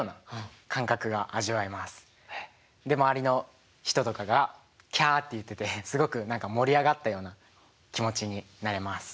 で周りの人とかが「キャ」って言っててすごく何か盛り上がったような気持ちになれます。